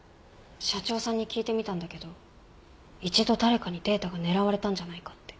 社長さんに聞いてみたんだけど一度誰かにデータが狙われたんじゃないかって。